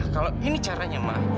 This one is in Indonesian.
kalau ini caranya ma